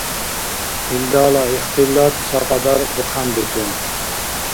Илдала ихтилат цакьадар бухъянбитӀун.